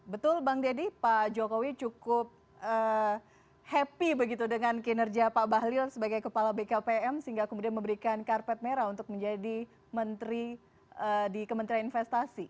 betul bang deddy pak jokowi cukup happy begitu dengan kinerja pak bahlil sebagai kepala bkpm sehingga kemudian memberikan karpet merah untuk menjadi menteri di kementerian investasi